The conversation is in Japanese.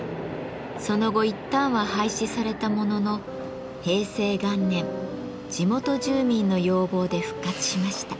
その後一旦は廃止されたものの平成元年地元住民の要望で復活しました。